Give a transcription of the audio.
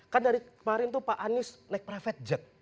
kan dari kemarin tuh pak anies naik private jet